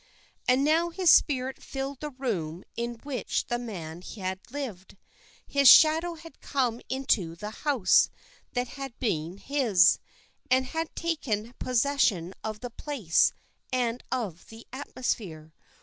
And now his spirit filled the room in which the man had lived. His shadow had come into the house that had been his, and had taken possession of the place and of the atmosphere.